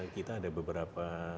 kita ada beberapa